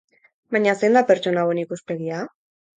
Baina zein da pertsona hauen ikuspegia?